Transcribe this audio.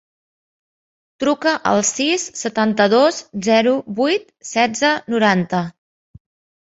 Truca al sis, setanta-dos, zero, vuit, setze, noranta.